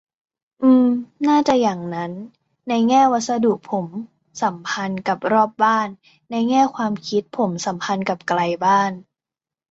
อืม น่าจะอย่างนั้น ในแง่วัสดุผมสัมพันธ์กับรอบบ้าน ในแง่ความคิดผมสัมพันธ์กับไกลบ้าน